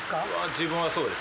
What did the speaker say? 自分はそうです。